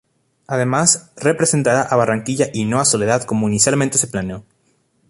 Además, representará a Barranquilla y no a Soledad como inicialmente se planeó.